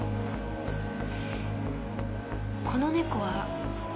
この猫は？